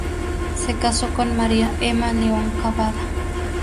Se casó con María Emma León Cabada.